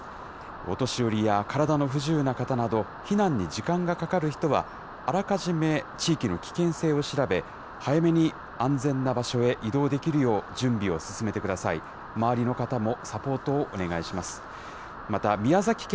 お年寄りや体の不自由な方など、避難に時間がかかる人は、あらかじめ地域の危険性を調べ、早めに安全な場所へ移動できるよう準備を進めてください。